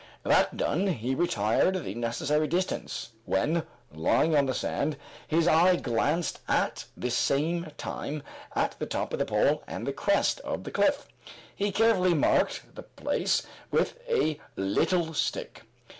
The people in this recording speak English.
That done, he retired the necessary distance, when, lying on the sand, his eye glanced at the same time at the top of the pole and the crest of the cliff. He carefully marked the place with a little stick.